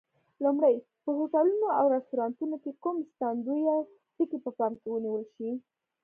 لومړی: په هوټلونو او رستورانتونو کې کوم ساتندویه ټکي په پام کې ونیول شي؟